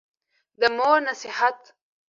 د مور نصېحت